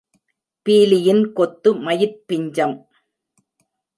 பீலியின் கொத்து மயிற் பிஞ்சம்.